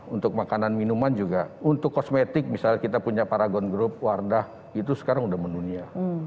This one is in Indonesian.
untuk makanan minuman juga untuk kosmetik misalnya kita punya paragon group wardah itu sekarang sudah menunia